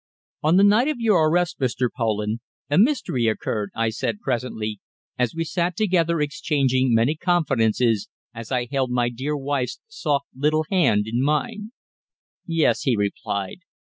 "On the night of your arrest, Mr. Poland, a mystery occurred," I said presently, as we sat together exchanging many confidences, as I held my dear wife's soft little hand in mine. "Yes," he replied.